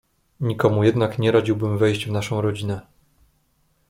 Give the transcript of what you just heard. "Nikomu jednak nie radziłbym wejść w naszą rodzinę."